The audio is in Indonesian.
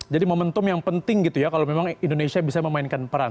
jadi momentum yang penting gitu ya kalau memang indonesia bisa memainkan peran